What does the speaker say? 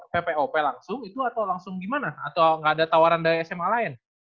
ppo langsung itu atau langsung gimana atau gak ada tawaran dari sma lain